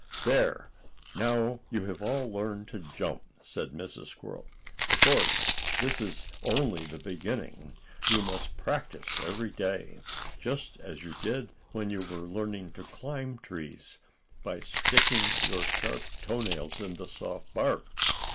"There, now you have all learned to jump," said Mrs. Squirrel. "Of course this is only the beginning. You must practice every day, just as you did when you were learning to climb trees, by sticking your sharp toe nails in the soft bark.